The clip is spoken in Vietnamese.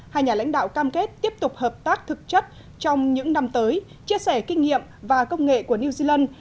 hai nhà lãnh đạo cam kết tiếp tục hợp tác thực chất trong những năm tới chia sẻ kinh nghiệm và công nghệ của new zealand